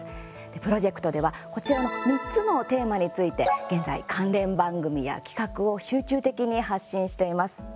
プロジェクトではこちらの３つのテーマについて現在、関連番組や企画を集中的に発信しています。